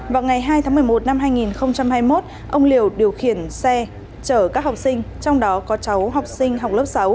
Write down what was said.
vào ngày hai tháng một mươi một năm hai nghìn hai mươi một ông liều điều khiển xe chở các học sinh trong đó có cháu học sinh học lớp sáu